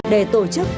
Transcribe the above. để tổ chức